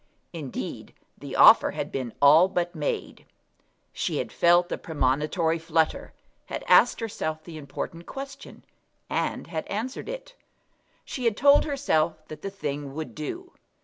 Indeed, the offer had been all but made. She had felt the premonitory flutter, had asked herself the important question, and had answered it. She had told herself that the thing would do.